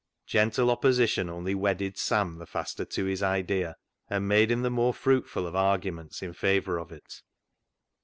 Gentle opposition only wedded Sam the faster to his idea, and made him the more fruitful of arguments in favour of it.